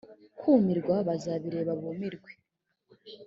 kumirwa bazakireba bumirwe